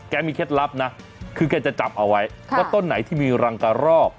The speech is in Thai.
แกมีเคล็ดลับนะคือแกจะจับเอาไว้ว่าต้นไหนที่มีรังกระรอก